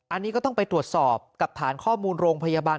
อันนี้ก็ต้องไปตรวจสอบกับฐานข้อมูลโรงพยาบาล